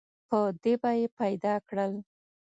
په دې به یې پیدا کړل.